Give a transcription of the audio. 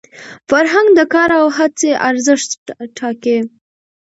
فرهنګ د کار او هڅي ارزښت ټاکي.